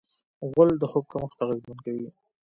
غول د خوب کمښت اغېزمن کوي.